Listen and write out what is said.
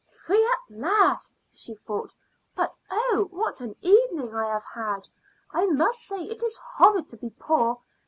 "Free at last," she thought. "But, oh, what an evening I have had! I must say it is horrid to be poor.